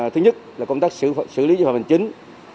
thứ nhất là công tác xử lý dịch vật bằng chính